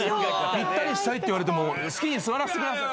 ピッタリしたいって言われても好きに座らせてください。